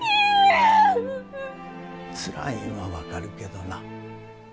つらいんは分かるけどな。